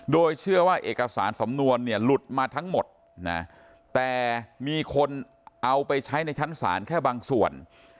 โดยเชื่อว่าเอกสารสำนวนเนี่ยหลุดมาทั้งหมดนะแต่มีคนเอาไปใช้ในชั้นศาลแค่บางส่วน